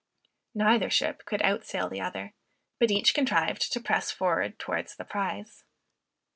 Neither ship could out sail the other, but each contrived to press forward towards the prize.